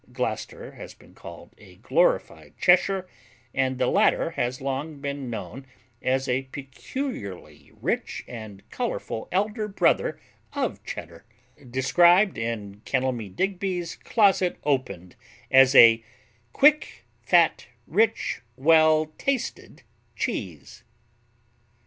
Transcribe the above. Gloucester has been called "a glorified Cheshire" and the latter has long been known as a peculiarly rich and colorful elder brother of Cheddar, described in Kenelme Digby's Closet Open'd as a "quick, fat, rich, well tasted cheese."